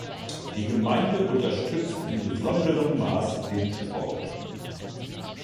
Die Gemeinde unterstützt in besonderem Maß den Sport.